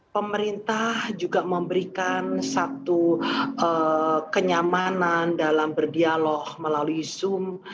pemerintah juga memberikan satu kenyamanan dalam berdialog melalui zoom